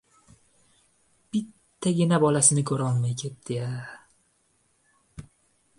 — Bittagina bolasini ko‘rolmay ketdi-ya!